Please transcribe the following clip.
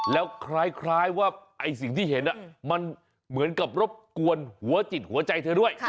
แล้วคล้ายว่าไอ้สิ่งที่เห็นมันเหมือนกับรบกวนหัวจิตหัวใจเธอด้วย